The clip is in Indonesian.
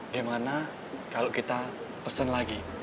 dimana kalau kita pesen lagi